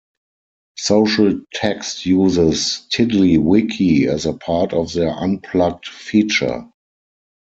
SocialText uses TiddlyWiki as a part of their unplugged feature.